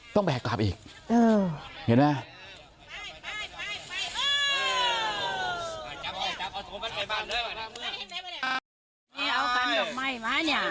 ต้องแบกกลับอีกเออเห็นไหม